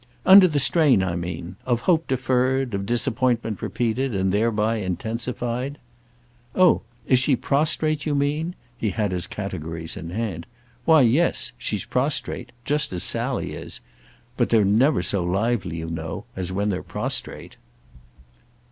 "Under the strain, I mean, of hope deferred, of disappointment repeated and thereby intensified." "Oh is she prostrate, you mean?"—he had his categories in hand. "Why yes, she's prostrate—just as Sally is. But they're never so lively, you know, as when they're prostrate."